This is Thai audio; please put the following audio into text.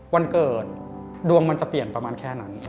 วันเกิดดวงมันจะเปลี่ยนประมาณแค่นั้น